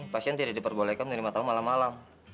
pasien tidak diperbolehkan menerima tamu malam malam